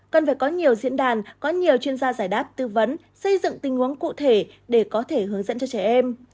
cần phải có nhiều diễn đàn có nhiều chuyên gia giải đáp tư vấn xây dựng tình huống cụ thể để có thể hướng dẫn cho trẻ em